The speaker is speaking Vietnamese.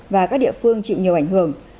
và các địa phương chịu nhiều ảnh hưởng